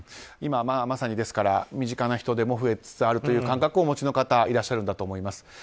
今まさに身近な人でも増えつつあるという感覚をお持ちの方いらっしゃるんだと思います。